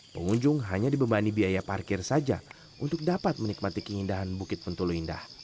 pengunjung hanya dibebani biaya parkir saja untuk dapat menikmati keindahan bukit pentulu indah